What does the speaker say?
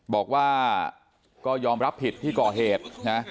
บอกว่าก็ยอมรับผิดที่ก่อเหตุนะ